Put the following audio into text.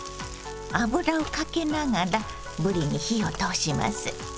油をかけながらぶりに火を通します。